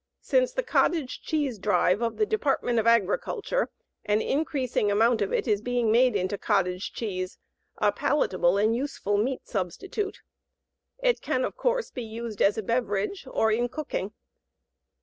Since the cottage cheese drive of the Department of Agriculture, an increasing amount of it is being made into cottage cheese a palatable and useful meat substitute. It can, of course, be used as a beverage or in cooking.